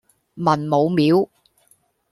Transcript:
文武廟